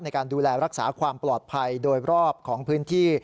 ในการดูแลรักษาความปลอดภัยโดยรอบของพื้นที่